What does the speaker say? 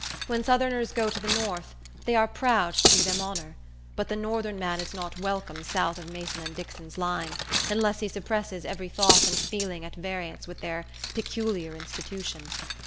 When southerners go to the north, they are proud to do them honor; but the northern man is not welcome south of Mason and Dixon's line, unless he suppresses every thought and feeling at variance with their "peculiar institution."